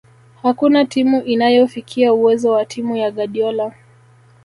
Hakuna timu inayofikia uwezo wa timu ya Guardiola